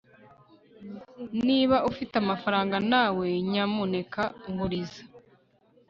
niba ufite amafaranga nawe, nyamuneka nguriza